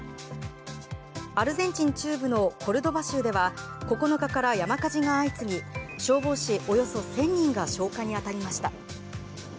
アルゼンチン中部のコルドバ州では９日から山火事が相次ぎ消防士およそ１０００人が消火に当たりました。